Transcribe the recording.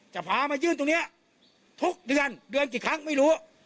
จะพามายื่นตรงนี้ทุกเดือนเดือนกี่ครั้งไม่รู้